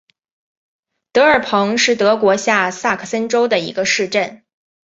德尔彭是德国下萨克森州的一个市镇。